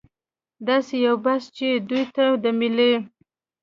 داسې یو بحث چې دوی ته د ملي